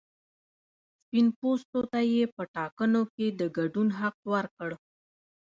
سپین پوستو ته یې په ټاکنو کې د ګډون حق ورکړ.